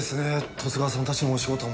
十津川さんたちのお仕事も。